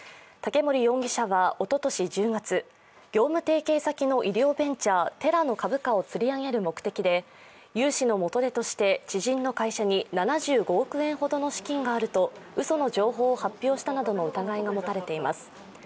竹森容疑者らはおととし１０月、業務提携先の医療ベンチャー・テラの株価をつり上がる目的で融資の元手として知人の会社に７５億円の資金があるといううその情報を発表したなどの疑いが持たれています。